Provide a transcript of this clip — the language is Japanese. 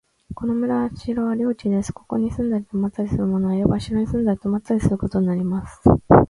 この村は城の領地です。ここに住んだり泊ったりする者は、いわば城に住んだり泊ったりすることになります。